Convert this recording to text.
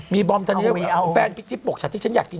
มีบอมทันเนี้ยแฟนจิ๊บปกชัดที่ฉันอยากกิน